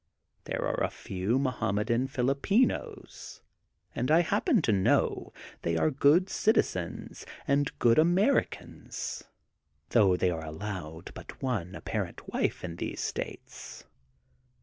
There are a few Mohammedan Philip pines, and I happen to know, they are good citizens and good Americans, thongh they are allowed bnt one apparent wife in these states.